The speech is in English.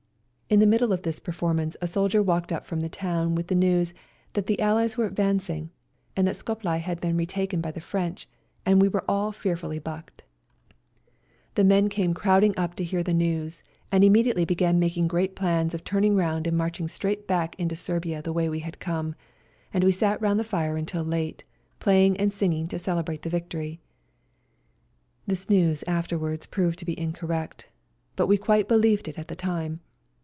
In the middle of this performance a soldier walked up from the town with the news that the Allies were advancing and that Scoplye had been retaken by the French, and we were all fearfully bucked. The men came ELBASAN 157 crowding up to hear the news, and imme diately began making great plans of turn ing roimd and marching straight back into Serbia the way we had come, and we sat roimd the fire until late, playing and singing to celebrate the victory. This news afterwards proved to be incorrect, but we quite believed it at the time.